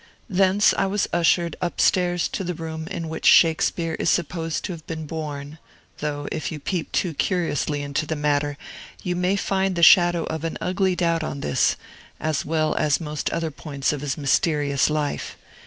Thence I was ushered up stairs to the room in which Shakespeare is supposed to have been born: though, if you peep too curiously into the matter, you may find the shadow of an ugly doubt on this, as well as most other points of his mysterious life.